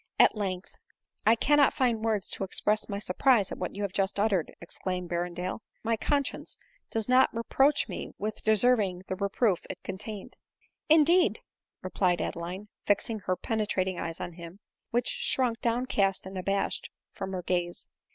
At length, " I cannot find words to express my surprise at what you have just uttered," exclaimed Berrendale. " My conscience does not reproach me with deserving the reproof it contained." " Indeed !" replied Adeline, fixing her penetrating eyes on his, which shrunk downcast and abashed from her gaze.